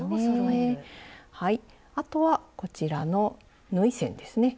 あとはこちらの縫い線ですね。